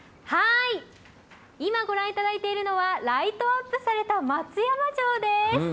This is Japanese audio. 今ご覧いただいているのは、ライトアップされた松山城です。